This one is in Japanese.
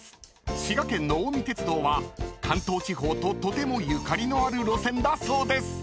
滋賀県の近江鉄道は関東地方ととてもゆかりのある路線だそうです］